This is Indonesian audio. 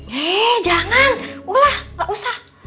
hei jangan ulah gak usah